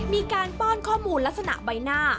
ป้อนข้อมูลลักษณะใบหน้า